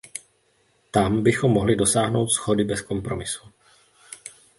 Tam bychom mohli dosáhnout shody bez kompromisů.